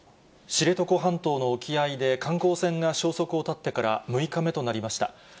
知床半島の沖合で観光船が消息を絶ってから６日目となりました。